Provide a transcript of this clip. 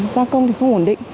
gia công thì không ổn định